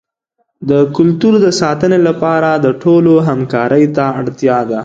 د کلتور د ساتنې لپاره د ټولو همکارۍ ته اړتیا ده.